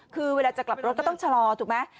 คือเวลาจะกลับรถก็ต้องชะลอถูกไหม